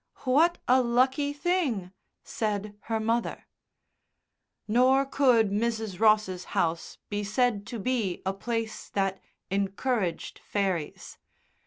"What a lucky thing!" said her mother. Nor could Mrs. Ross's house be said to be a place that encouraged fairies.